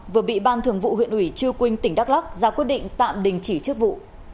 vừa bị ban thường vụ huyện ủy chư quynh tỉnh đắk lắc ra quyết định tạm đình chỉ chức vụ